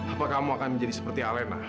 apa kamu akan menjadi seperti alena